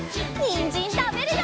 にんじんたべるよ！